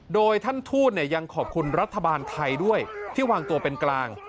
โดยท่านทูตยังขอบคุณรัฐบาลไทยด้วยที่วางตัวเป็นกลาง